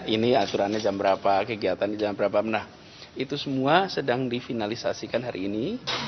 ini aturannya jam berapa kegiatannya jam berapa nah itu semua sedang difinalisasikan hari ini